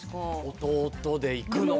弟でいくのか。